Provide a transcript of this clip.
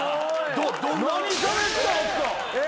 何しゃべったんすか？